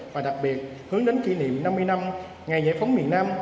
và đặc biệt hướng đến kỷ niệm năm mươi năm ngày giải phóng miền nam